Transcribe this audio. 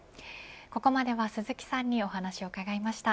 ここまでは鈴木さんにお話を伺いました。